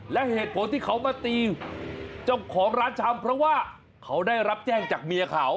และเหตุผลที่เขามาตีเจ้าของร้านชำเพราะว่าเขาได้รับแจ้งจากเมียเขา